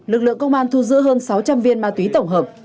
lực lượng công an thu giữ hơn sáu trăm linh viên ma túy tổng hợp